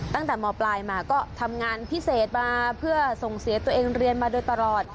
ตั้งแต่มปลายมาก็ทำงานพิเศษมาเพื่อส่งเสียตัวเองเรียนมาโดยตลอด